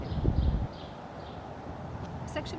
Section IV.